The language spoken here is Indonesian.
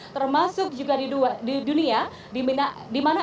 termasuk juga di dunia